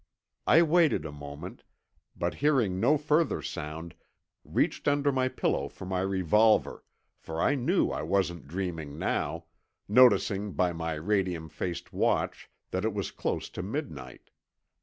I waited a moment, but hearing no further sound reached under my pillow for my revolver, for I knew I wasn't dreaming now, noticing by my radium faced watch that it was close to midnight.